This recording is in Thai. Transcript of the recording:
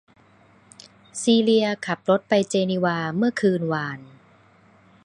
ซีเลียขับรถไปเจนีวาเมื่อคืนวาน